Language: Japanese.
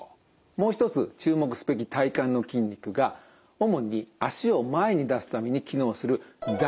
もう一つ注目すべき体幹の筋肉が主に足を前に出すために機能する大腰筋です。